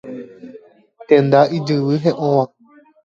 Tenda ijyvy he'õva.